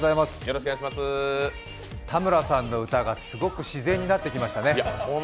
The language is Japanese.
田村さんの歌がすごく自然になってきましたね。